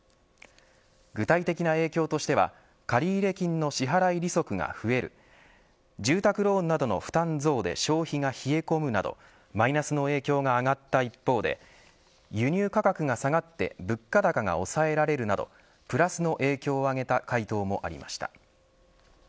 具体的な影響としては借入金の支払い利息が増える住宅ローンなどの負担増で消費が冷え込むなどマイナスの影響が挙がった一方で輸入価格が下がって物価高が抑えられるなどプラスの影響を挙げた回答もありました。